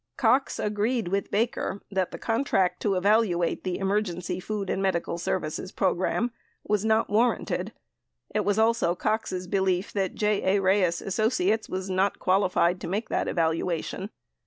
Cox agreed with Baker that the contract to evaluate the emergency food and medical services program was not warranted. It was also Cox' belief that J. A. Reyes Associates was not qualified to make the evaluation.